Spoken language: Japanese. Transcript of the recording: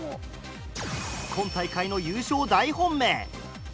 今大会の優勝大本命。